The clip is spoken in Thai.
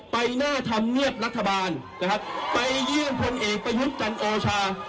ไปหน้าทำเนียบรัฐบาลนะครับไปยื่มคนเอกไปยุดจันโอชา